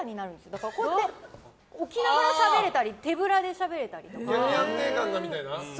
だから置きながらしゃべれたり手ぶらでしゃべれたりとか。